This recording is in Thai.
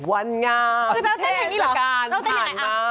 วันงามเทสการผ่านมา